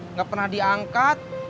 enggak pernah diangkat